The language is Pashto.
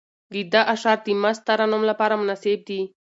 د ده اشعار د مست ترنم لپاره مناسب دي.